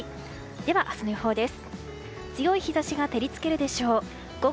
では、明日の予報です。